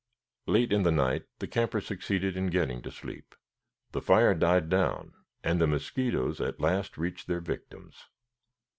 Late in the night the campers succeeded in getting to sleep. The fire died down and the mosquitoes at last reached their victims.